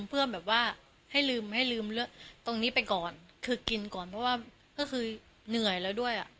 ก็ถามว่ากินมันก็ชวนกันคุยเพื่อให้ลืมให้ลืมตรงนี้ไปก่อนคือกินก่อนเพราะว่าเหนื่อยแล้วด้วย